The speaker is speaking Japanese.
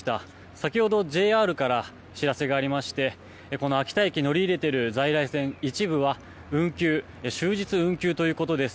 先ほど、ＪＲからお知らせがありましてこの秋田駅に乗り入れている在来線の一部は運休、終日運休ということです。